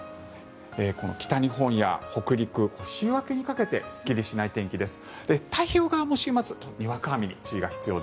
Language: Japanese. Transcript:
北日本や北陸、週明けにかけてすっきりしない天気です。